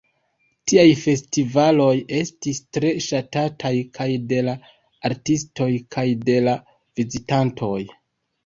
Tiaj festivaloj estis tre ŝatataj kaj de la artistoj kaj de la vizitantoj.